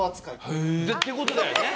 っていう事だよね。